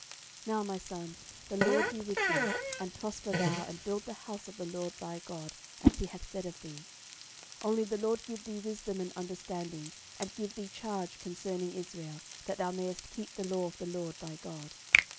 13:022:011 Now, my son, the LORD be with thee; and prosper thou, and build the house of the LORD thy God, as he hath said of thee. 13:022:012 Only the LORD give thee wisdom and understanding, and give thee charge concerning Israel, that thou mayest keep the law of the LORD thy God.